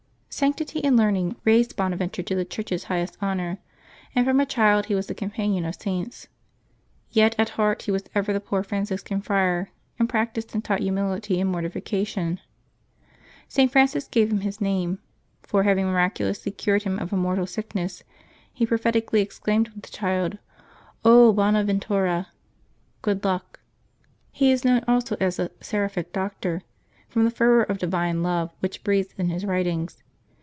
[anctity and learning raised Bonaventure to the Church's highest honors, and from a child he was the companion of Saints. Yet at heart he was ever the poor Franciscan friar, and practised and taught humility and mortification. St. Francis gave him his name ; for, having miraculously cured him of a mortal sickness, he propheti cally exclaimed of the child, " bona ventura !''— good luck. He is known also as the " Seraphic Doctor," from the fervor of divine love which breathes in his writings.